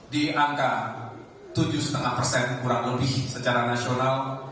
di angka tujuh lima persen kurang lebih secara nasional